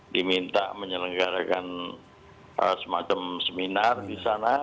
diminta menyelenggarakan semacam seminar di sana